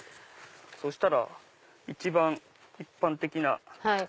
そしたら一番一般的な。